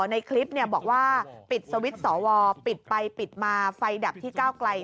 ในคลิปบอกว่าปิดสวิตช์สวปิดไปปิดมาไฟดับที่ก้าวไกล